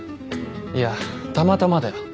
いやたまたまだよ